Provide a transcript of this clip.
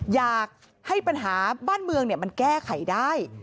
อยากให้ปัญหาบ้านเมืองมันแก้ไขได้